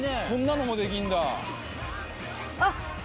そんなのもできんだ。